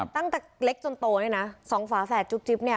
ตั้งแต่เล็กจนโตเนี่ยนะสองฝาแฝดจุ๊บจิ๊บเนี่ย